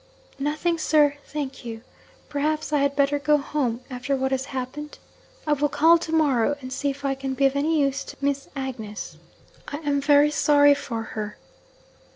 'Nothing, sir, thank you. Perhaps, I had better go home after what has happened? I will call to morrow, and see if I can be of any use to Miss Agnes. I am very sorry for her.'